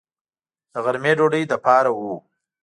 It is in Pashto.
د غرمې ډوډۍ لپاره و.